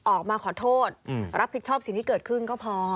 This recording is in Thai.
ออกมาขอโทษรับผิดชอบสิ่งที่เกิดขึ้นก็พอ